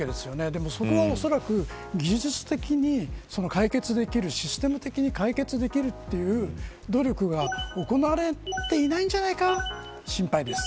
でも、そこはおそらく技術的に解決できるシステム的に解決できる努力が行われていないんじゃないかと心配です。